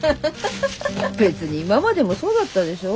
別に今までもそうだったでしょ。